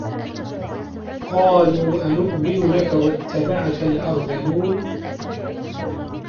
قالوا أَنُؤمِنُ لَكَ وَاتَّبَعَكَ الأَرذَلونَ